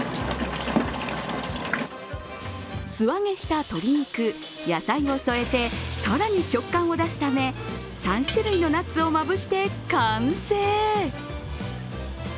素揚げした鶏肉、野菜を添えて、更に食感を出すため３種類のナッツをまぶして完成。